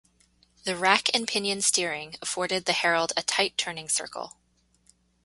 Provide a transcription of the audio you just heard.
The rack and pinion steering afforded the Herald a tight turning circle.